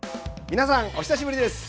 皆さんお久しぶりです！